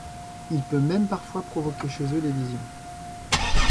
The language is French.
Il peut même parfois provoquer chez eux des visions.